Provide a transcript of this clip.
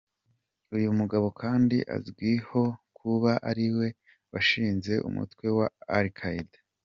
Uyu mugabo kandi azwi ho kuba ariwe washinze umutwe wa al-Qaeda.